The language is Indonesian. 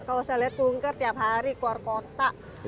kalau saya lihat tungkar tiap hari keluar kota